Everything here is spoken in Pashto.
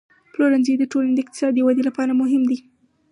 پلورنځی د ټولنې د اقتصادي ودې لپاره مهم دی.